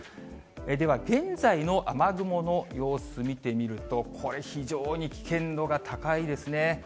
では現在の雨雲の様子見てみると、これ、非常に危険度が高いですね。